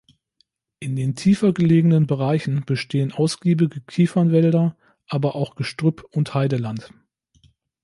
In den tiefer gelegenen Bereichen bestehen ausgiebige Kiefernwälder, aber auch Gestrüpp und Heideland.